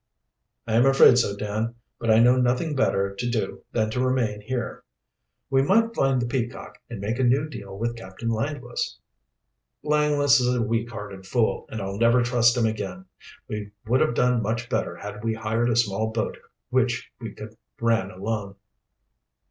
"I am afraid so, Dan. But I know of nothing better to do than to remain here." "We might find the Peacock and make a new deal with Captain Langless." "Langless is a weak hearted fool, and I'll never trust him again. We would have done much better had we hired a small boat which we could ran alone."